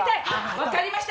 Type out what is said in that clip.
分かりました！